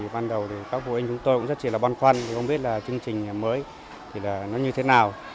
văn đầu thì các phụ huynh chúng tôi cũng rất là băn khoăn không biết là chương trình mới nó như thế nào